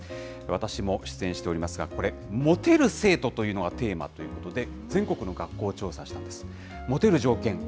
私も出演しておりますが、これ、モテる生徒というのがテーマということで、全国の学校を調査したんです。